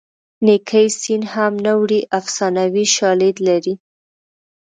نیکي سین هم نه وړي افسانوي شالید لري